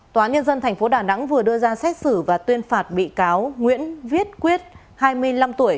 tòa nhân dân tp đà nẵng vừa đưa ra xét xử và tuyên phạt bị cáo nguyễn viết quyết hai mươi năm tuổi